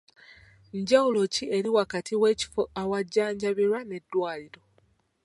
Njawulo ki eri wakati w'ekifo ewajjanjabirwa n'eddwaliro.